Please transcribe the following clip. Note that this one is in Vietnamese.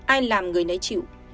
ai làm người nấy chịu